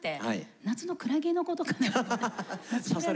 夏のクラゲのことかなって。